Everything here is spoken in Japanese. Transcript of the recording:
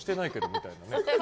みたいな。